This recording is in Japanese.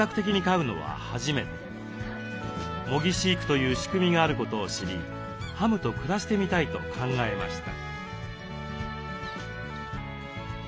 模擬飼育という仕組みがあることを知りハムと暮らしてみたいと考えました。